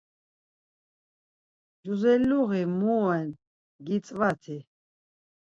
Cuzelluği mu on gitzvati?